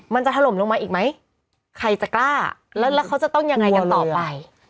ถล่มลงมาอีกไหมใครจะกล้าแล้วแล้วเขาจะต้องยังไงกันต่อไป